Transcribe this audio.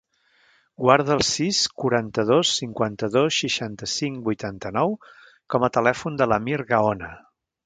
Guarda el sis, quaranta-dos, cinquanta-dos, seixanta-cinc, vuitanta-nou com a telèfon de l'Amir Gaona.